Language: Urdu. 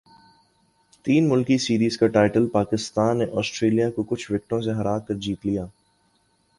سہ ملکی سیریز کا ٹائٹل پاکستان نے اسٹریلیا کو چھ وکٹوں سے ہرا کرجیت لیا